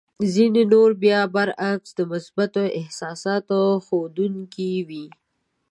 د ځينو نورو بيا برعکس د مثبتو احساساتو ښودونکې وې.